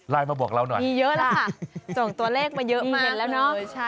มาบอกเราหน่อยมีเยอะแล้วค่ะส่งตัวเลขมาเยอะมาแล้วเนอะ